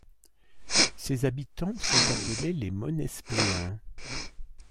Ses habitants sont appelés les Monespléens.